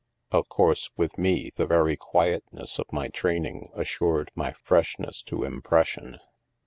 Of course, with me, the very quietness of my training assured my freshness to impression.'